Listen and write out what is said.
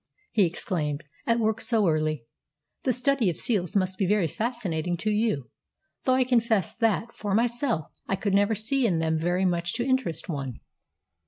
he exclaimed, "at work so early! The study of seals must be very fascinating to you, though I confess that, for myself, I could never see in them very much to interest one."